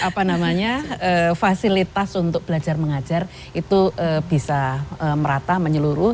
ya kami berharap memang kepada pemerintah nih bahwa fasilitas untuk belajar mengajar itu bisa merata menyeluruh